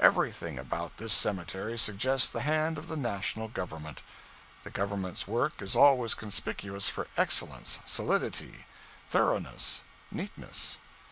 Everything about this cemetery suggests the hand of the national Government. The Government's work is always conspicuous for excellence, solidity, thoroughness, neatness.